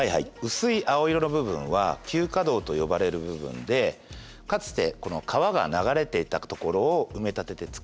薄い青色の部分は旧河道と呼ばれる部分でかつてこの川が流れていた所を埋め立てて作った低い土地になります。